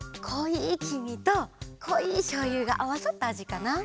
いきみとこいしょうゆがあわさったあじかな。